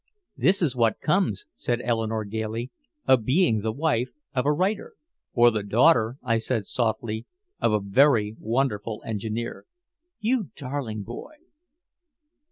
"This is what comes," said Eleanore gaily, "of being the wife of a writer." "Or the daughter," I said softly, "of a very wonderful engineer." "You darling boy!"